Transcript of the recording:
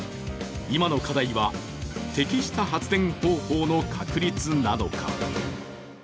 今の課題は適した発電方法の確立なのか。